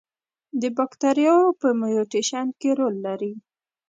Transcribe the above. د باکتریاوو په میوټیشن کې رول لري.